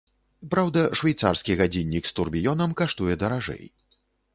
Праўда, швейцарскі гадзіннік з турбіёнам каштуе даражэй.